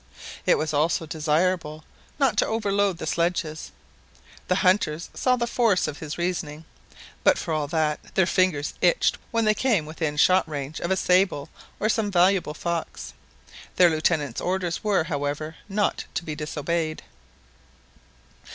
It was also desirable not to overload the sledges. The hunters saw the force of his reasoning; but for all that, their fingers itched when they came within shot range of a sable or some valuable fox. Their Lieutenant's orders were, however, not to be disobeyed.